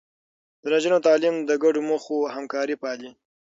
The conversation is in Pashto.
د نجونو تعليم د ګډو موخو همکاري پالي.